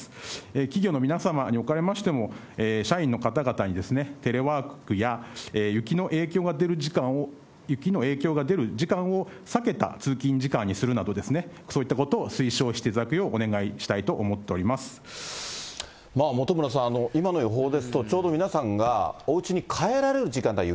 企業の皆様におかれましても、社員の方々にテレワークや雪の影響が出る時間を避けた通勤時間にするなど、そういったことを推奨していただくよう、お願いしたい本村さん、今の予報ですと、ちょうど皆さんがおうちに帰られる時間が雪。